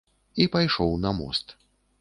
І пайшоў на мост.